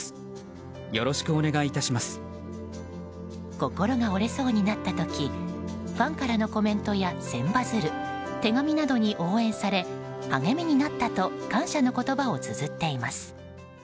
心が折れそうになった時ファンからのコメントや千羽鶴、手紙などに応援され励みになったと感謝の言葉をつづっています。